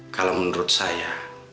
kalau menurut saya